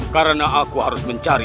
karena aku harus mencari